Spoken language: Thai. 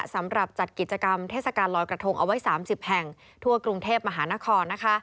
จัดกิจกรรมเทศกาลลอยกระทงเอาไว้๓๐แห่งทั่วกรุงเทพมหานคร